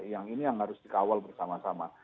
yang ini yang harus dikawal bersama sama